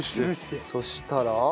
そしたら？